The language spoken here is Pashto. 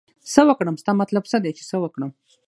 څه وکړم ستا مطلب څه دی چې څه وکړم